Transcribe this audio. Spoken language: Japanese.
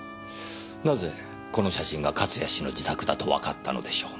なぜこの写真が勝谷氏の自宅だとわかったのでしょう？